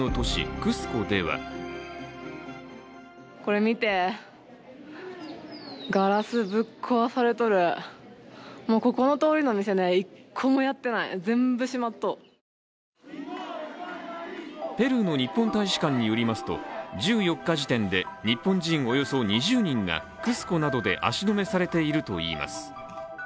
クスコではペルーの日本大使館によりますと１４日時点で、日本人およそ２０人がクスコなどで足止めされているといいます。